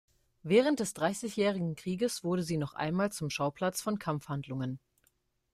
Während des Dreißigjährigen Krieges wurde sie noch einmal zum Schauplatz von Kampfhandlungen.